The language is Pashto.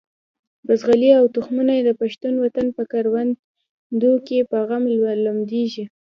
بزغلي او تخمونه یې د پښتون وطن په کروندو کې په غم لمدېدل.